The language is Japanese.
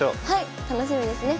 楽しみですね。